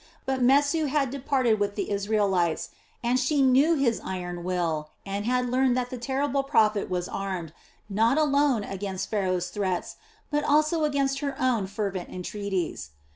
But Mesu had departed with the Israelites, and she knew his iron will and had learned that the terrible prophet was armed, not alone against Pharaoh's threats, but also against her own fervent entreaties.